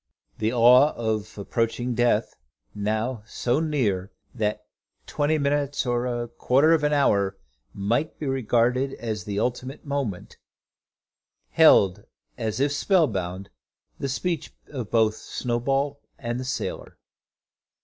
The awe of approaching death, now so near, that twenty minutes or a quarter of an hour might be regarded as the ultimate moment, held, as if spellbound, the speech both of Snowball and the sailor.